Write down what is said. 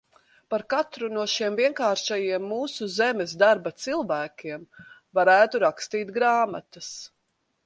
Par katru no šiem vienkāršajiem mūsu zemes darba cilvēkiem varētu rakstīt grāmatas.